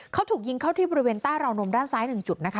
เขาถูกยิงเข้าที่บริเวณใต้ราวนมด้านซ้าย๑จุดนะคะ